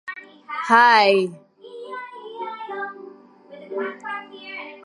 sukuma wiki ni zao linalolimwa sana